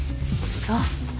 そう。